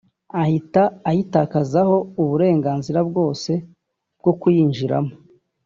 ahita ayitakazaho uburenganzira bwose bwo kuyinjiramo